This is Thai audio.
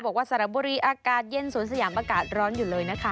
สระบุรีอากาศเย็นสวนสยามอากาศร้อนอยู่เลยนะคะ